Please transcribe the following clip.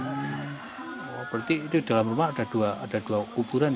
berarti di dalam rumah ada dua kuburan